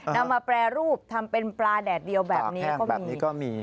นำมาแปรรูปทำเป็นปลาแดดเดียวแบบนี้ก็มี